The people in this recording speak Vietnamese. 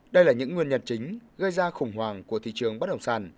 đây là những nguyên nhân chính gây ra khủng hoảng của thị trường bất động sản